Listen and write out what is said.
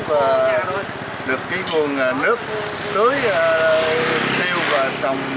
trẻ được nguồn nước tưới tiêu và trồng